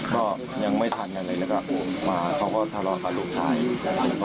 ก็ยังไม่ทันอะไรแล้วก็มาเขาก็ทะเลาะกับลูกชาย